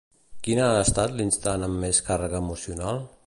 Quin ha estat l'instant amb més càrrega emocional?